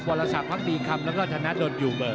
บริษัทภักดีคำแล้วก็ถนัดดดดอยู่เบอร์